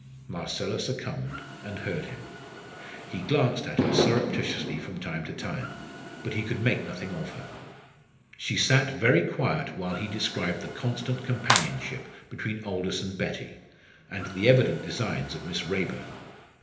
Marcella succumbed, and heard him. He glanced at her surreptitiously from time to time, but he could make nothing of her. She sat very quiet while he described the constant companionship between Aldous and Betty, and the evident designs of Miss Raeburn.